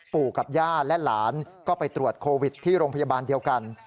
ปู่กับย่าและหลานก็ไปตรวจโควิดที่โรงพยาบาลเดียวกัน